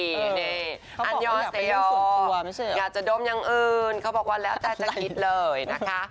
เขาบอกว่าอยากไปร่วมสุขตัวอยากจะดมอย่างอื่นเขาบอกว่าแล้วแต่จะคิดเลยนะคะ